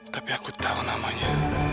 tapi aku tahu namanya